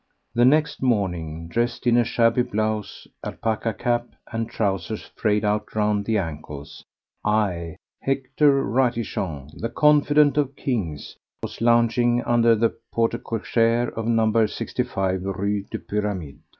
The next morning, dressed in a shabby blouse, alpaca cap, and trousers frayed out round the ankles, I—Hector Ratichon, the confidant of kings—was lounging under the porte cochere of No. 65 Rue des Pyramides.